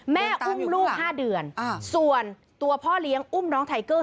แม่อุ้มลูก๕เดือนส่วนตัวพ่อเลี้ยงอุ้มน้องไทเกอร์